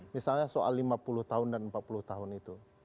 misalnya soal lima puluh tahun dan empat puluh tahun itu